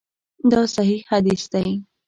دا صحیح حدیث دی.